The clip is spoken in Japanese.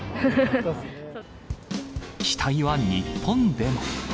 期待は日本でも。